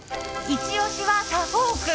イチ押しはサフォーク。